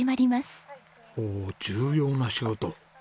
おお重要な仕事？